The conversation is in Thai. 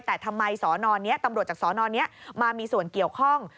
แต่ทำไมสอนอนี้ตำรวจจากสนนี้มามีส่วนเกี่ยวข้อง